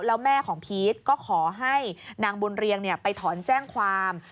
แล้วแม่ของพีชก็ขอให้นางบุญเรียงไปถอนแจ้งความ